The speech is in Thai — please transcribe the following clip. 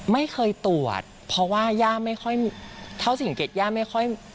ไม่เคยตรวจเพราะว่าย่าไม่ค่อยเท่าสิ่งสังเกตย่าไม่ค่อย